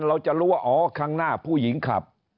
เราจะรู้ว่าอ๋อข้างหน้าผู้หญิงขับ